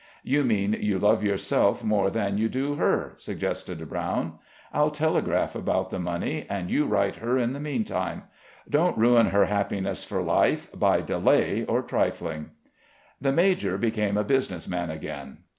"You mean you love yourself more than you do her," suggested Brown. "I'll telegraph about the money, and you write her in the meantime. Don't ruin her happiness for life by delay or trifling." The major became a business man again.